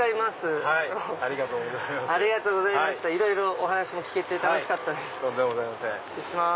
お話も聞けて楽しかったです。